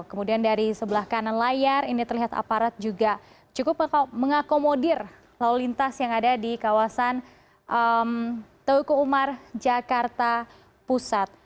kemudian dari sebelah kanan layar ini terlihat aparat juga cukup mengakomodir lalu lintas yang ada di kawasan teluku umar jakarta pusat